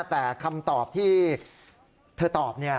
แต่คำตอบที่เธอตอบ